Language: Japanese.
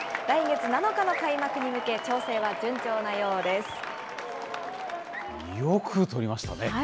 来月７日の開幕に向け、調整は順調なようです。